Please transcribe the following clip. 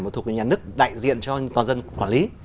mà thuộc nhà nước đại diện cho toàn dân quản lý